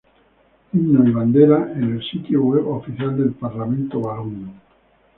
Himno y bandera en el sitio web oficial del Parlamento valón.